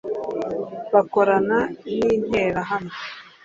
bakorana ninterahamwe